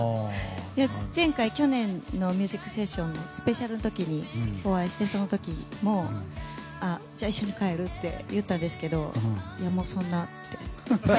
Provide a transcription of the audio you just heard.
前回、去年の「ミュージックステーション」のスペシャルの時、お会いしてその時も一緒に帰る？って言ったんですけどそんな。